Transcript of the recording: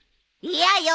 嫌よ。